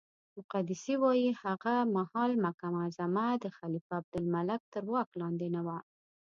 مقدسي وایي هغه مهال مکه معظمه د خلیفه عبدالملک تر واک لاندې نه وه.